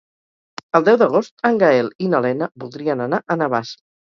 El deu d'agost en Gaël i na Lena voldrien anar a Navàs.